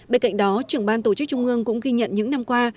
bên cạnh đó trưởng ban tổ chức trung ương cũng ghi nhận những năm qua